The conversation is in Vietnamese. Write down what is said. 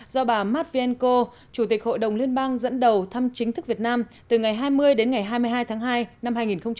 do bà mát viên cô chủ tịch hội đồng liên bang dẫn đầu thăm chính thức việt nam từ ngày hai mươi đến ngày hai mươi hai tháng hai năm hai nghìn một mươi bảy